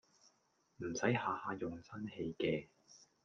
唔駛下下用真氣嘅